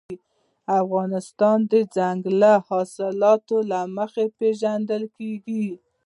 افغانستان د دځنګل حاصلات له مخې پېژندل کېږي.